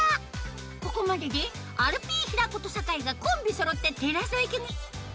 ここまででアルピー平子と酒井がコンビそろってテラサ行きに